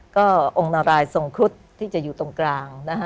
ก็องค์นารายทรงครุฑที่จะอยู่ตรงกลางนะฮะ